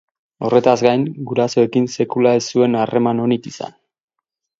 Horretaz gain, gurasoekin sekula ez zuen harreman onik izan.